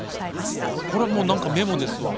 これはもう何かメモですわ。